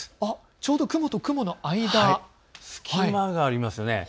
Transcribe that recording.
ちょうど雲と雲の間、隙間がありますね。